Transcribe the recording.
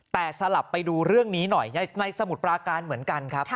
แต่สลับไปดูเรื่องนี้หน่อยในสมุทรปราการเหมือนกันครับ